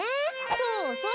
そうそう！